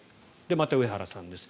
また、上原さんです。